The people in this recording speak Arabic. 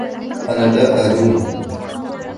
أنا لا ألومها.